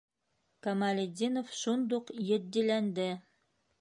Камалетдинов шундуҡ етдиләнде: